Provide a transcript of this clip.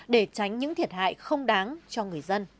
để tránh những thiệt hại không đáng